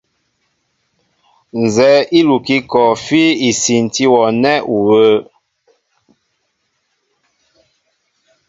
Nzɛ́ɛ́ íkukí kɔɔfí í sínti wɔ nɛ́ u wə̄ə̄.